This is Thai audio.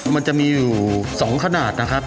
มันจะมีอยู่๒ขนาดนะครับ